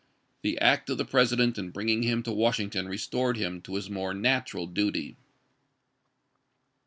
The act of the President in bringing him to Washington restored him to his more natural duty.